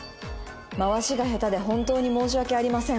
「回しが下手で本当に申し訳ありません」。